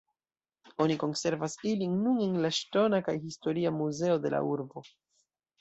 Oni konservas ilin nun en la ŝtona kaj historia muzeoj de la urbo.